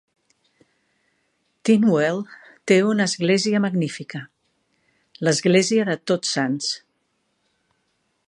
Tinwell té una església magnífica: l'Església de Tots Sants.